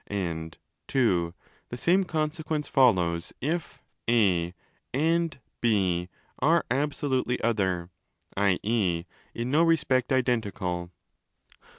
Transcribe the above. And (ii) the same consequence follows if A and B are absolutely 'other', i.e. in no respect identical.